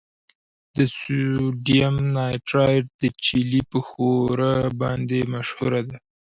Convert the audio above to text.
د سوډیم نایټریټ د چیلي په ښوره باندې مشهوره ده.